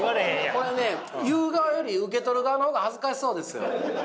これはね言う側より受け取る側の方が恥ずかしそうです。